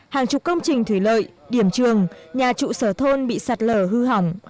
hàng chục công trình thủy lợi điểm trường nhà trụ sở thôn bị sạt lở hư hỏng